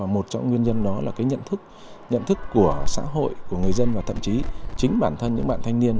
một trong nguyên nhân đó là nhận thức của xã hội của người dân và thậm chí chính bản thân những bạn thanh niên